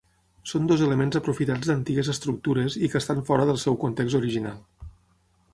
Són dos elements aprofitats d'antigues estructures i que estan fora del seu context original.